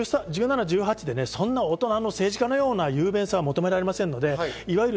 １７歳、１８歳で大人の政治家のような雄弁さは求められません。